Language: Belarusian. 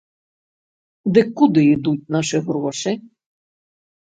Дык куды ідуць нашы грошы?